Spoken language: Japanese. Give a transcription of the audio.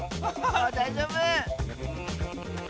だいじょうぶ！